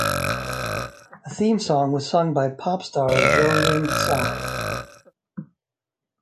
The theme song was sung by pop star Jolin Tsai.